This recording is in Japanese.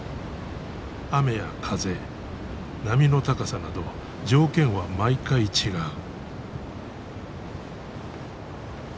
雨や風波の高さなど条件は毎回違う。